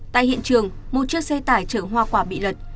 tại hiện trường một chiếc xe tải chở hoa quả bị lật